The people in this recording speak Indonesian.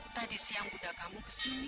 tadi siang buddha kamu kesini